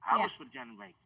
harus berjalan baik